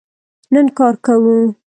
نن کار کوو